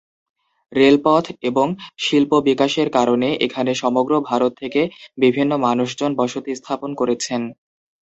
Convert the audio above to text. রেলপথ এবং শিল্প বিকাশের কারণে এখানে সমগ্র ভারত থেকে বিভিন্ন মানুষজন বসতি স্থাপন করেছেন।